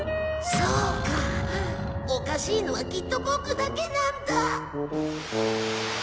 そうかおかしいのはきっとボクだけなんだ。